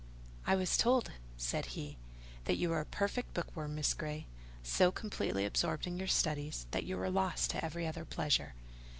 "I was told," said he, "that you were a perfect bookworm, Miss Grey: so completely absorbed in your studies that you were lost to every other pleasure."